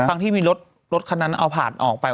ทั้งที่มีรถคันนั้นเอาผ่านออกไป